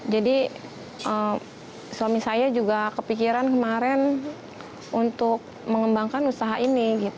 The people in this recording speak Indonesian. jadi suami saya juga kepikiran kemarin untuk mengembangkan usaha ini